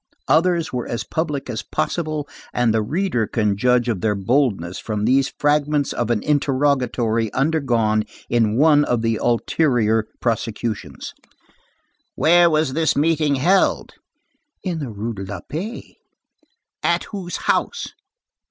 Others were as public as possible, and the reader can judge of their boldness from these fragments of an interrogatory undergone in one of the ulterior prosecutions: "Where was this meeting held?" "In the Rue de la Paix." "At whose house?"